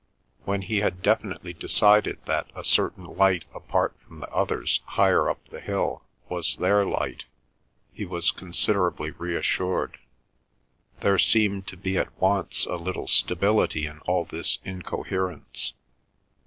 When he had definitely decided that a certain light apart from the others higher up the hill was their light, he was considerably reassured. There seemed to be at once a little stability in all this incoherence.